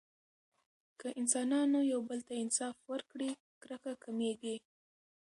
که انسانانو یو بل ته انصاف ورکړي، کرکه کمېږي.